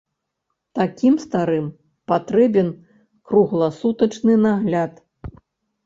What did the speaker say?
Такім старым патрэбен кругласутачны нагляд.